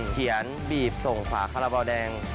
เขียนบีบส่งฝากคาราเบาแดง